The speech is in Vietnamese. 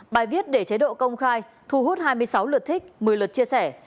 bài viết để chế độ công khai thu hút hai mươi sáu lượt thích một mươi lượt chia sẻ